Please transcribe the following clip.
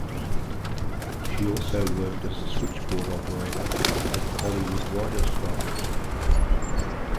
She also worked as a switchboard operator at the Hollywood Writers' Club.